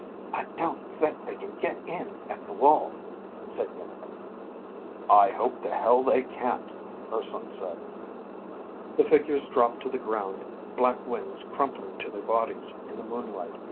"I don't think they can get in at the wall," said Iimmi. "I hope the hell they can't," Urson said. The figures dropped to the ground, black wings crumpling to their bodies in the moonlight.